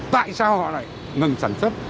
tại sao họ lại ngừng sản xuất